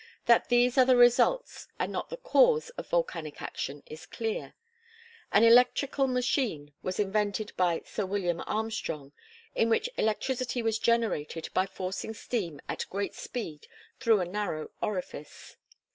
That these are the result and not the cause of volcanic action is clear. An electrical machine was invented by Sir William Armstrong, in which electricity was generated by forcing steam at great speed through a narrow orifice.